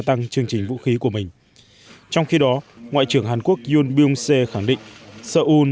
tăng chương trình vũ khí của mình trong khi đó ngoại trưởng hàn quốc yoon byung se khẳng định seoul